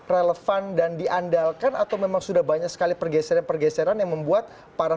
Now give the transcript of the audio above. relevan dan diandalkan atau memang sudah banyak sekali pergeseran pergeseran yang membuat para